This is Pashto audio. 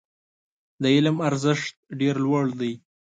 د علم ارزښت ډېر لوړ دی.